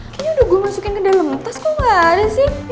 ini udah gue masukin ke dalam tas kok gak ada sih